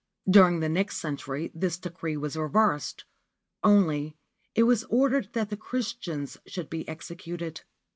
During the next century this decree was reversed ; only, it was ordered that the Christians should be executed.